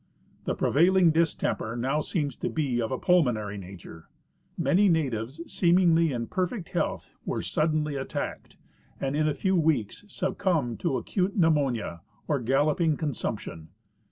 The prevail ing distemper now seems to be of a pulmonary nature. Many natives seemingly in perfect health were suddenly attacked, and m a few weeks succumbed to acute pneumonia or galloping con sumption.